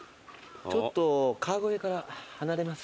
ちょっと川越から離れます。